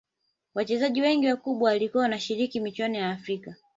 Wachezaji wengi wakubwa walikuwa wanashiriki michuano ya afrika